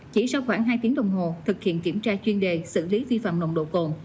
chỉ sau khoảng hai tiếng đồng hồ thực hiện kiểm tra chuyên đề xử lý vi phạm nồng độ cồn